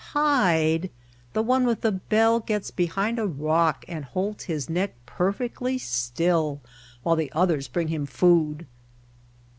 "Hide! The one with the bell gets behind a rock and holds his neck perfectly still while the others bring him food!"